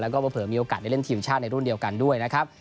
แล้วก็เผลอมีโอกาสได้เล่นทีมชาติในรุ่นเดียวกันด้วยนะครับ